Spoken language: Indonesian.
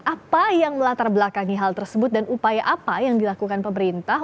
apa yang melatar belakangi hal tersebut dan upaya apa yang dilakukan pemerintah